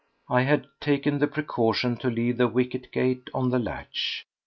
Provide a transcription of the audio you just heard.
I had taken the precaution to leave the wicket gate on the latch.